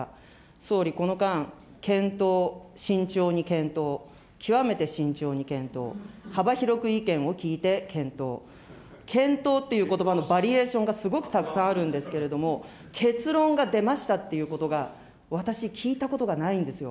総理、この間、検討、慎重に検討、極めて慎重に検討、幅広く意見を聞いて検討、検討っていうことばのバリエーションがすごくたくさんあるんですけれども、結論が出ましたっていうことが、私、聞いたことがないんですよ。